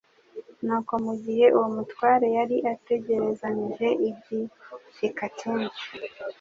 Nuko mu gihe uwo mutware yari ategerezanyije igishyika cyinshi,